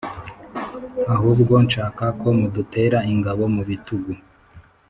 ahubwo nshaka ko mudutera ingabo mubitugu